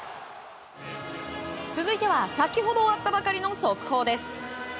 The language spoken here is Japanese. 続いては先ほど終わったばかりの速報です。